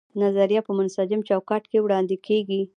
نظریه په منسجم چوکاټ کې وړاندې کیږي.